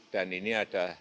dan ini ada